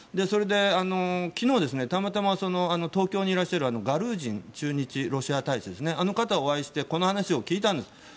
それで、昨日たまたま東京にいらっしゃるガルージン駐日ロシア大使あの方にお会いしてこの話を聞いたんです。